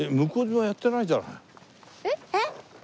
えっ？